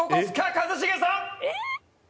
一茂さん！